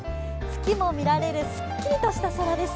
月も見られるすっきりとした空です。